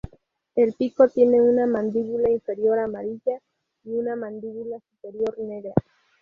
El pico tiene una mandíbula inferior amarilla y una mandíbula superior negra.